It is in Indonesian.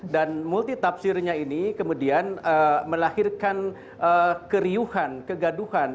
dan multi tafsirnya ini kemudian melahirkan keriuhan kegaduhan